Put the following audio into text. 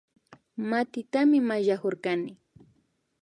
Matitami mayllanakurkani